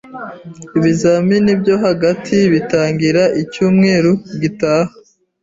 Ibizamini byo hagati bitangira icyumweru gitaha.